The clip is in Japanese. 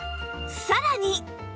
さらに